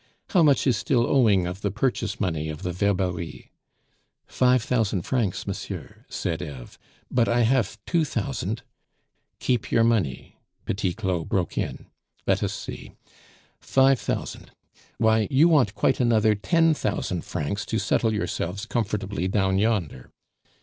"How much is still owing of the purchase money of the Verberie?" "Five thousand francs, monsieur," said Eve, "but I have two thousand " "Keep your money," Petit Claud broke in. "Let us see: five thousand why, you want quite another ten thousand francs to settle yourselves comfortably down yonder.